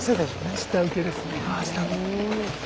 下請けですね。